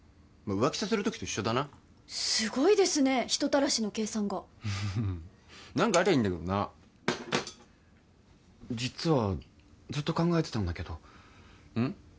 浮気させる時と一緒だなすごいですね人たらしの計算が何かありゃいいんだけどな実はずっと考えてたんだけどうん？